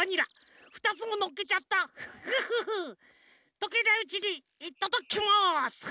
とけないうちにいっただきます！